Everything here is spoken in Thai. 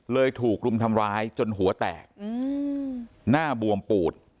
ถูกรุมทำร้ายจนหัวแตกหน้าบวมปูด